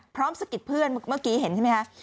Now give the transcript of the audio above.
สะกิดเพื่อนเมื่อกี้เห็นใช่ไหมคะ